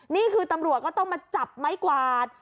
นี่คือตำรวจก็ต้องมาจับไม้กวาด